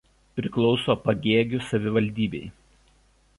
Priklauso Pagėgių savivaldybei.